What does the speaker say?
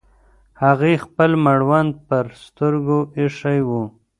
هغې خپل مړوند پر سترګو ایښی و.